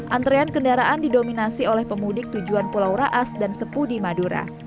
antrean kendaraan didominasi oleh pemudik tujuan pulau raas dan sepudi madura